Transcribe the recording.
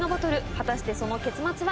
果たしてその結末は？